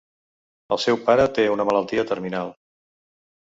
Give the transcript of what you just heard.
El seu pare té una malaltia terminal.